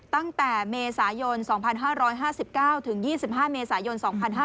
ตั้งแต่เมษายน๒๕๕๙ถึง๒๕เมษายน๒๕๕๙